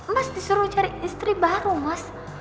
mas disuruh cari istri baru mas